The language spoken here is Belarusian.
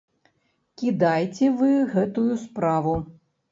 Кідайце вы гэтую справу.